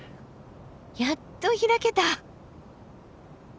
やっと開けた！